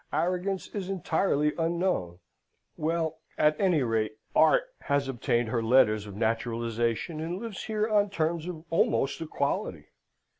Arrogance is entirely unknown... Well, at any rate, Art has obtained her letters of naturalisation, and lives here on terms of almost equality.